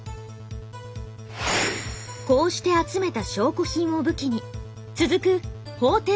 こうして集めた証拠品を武器に続く「法廷」